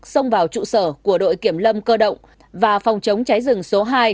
xông vào trụ sở của đội kiểm lâm cơ động và phòng chống cháy rừng số hai